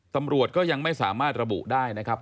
ตำรวจก็ยังไม่สามารถระบุได้นะครับ